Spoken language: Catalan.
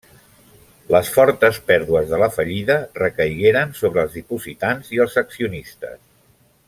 Les fortes pèrdues de la fallida recaigueren sobre els dipositants i els accionistes.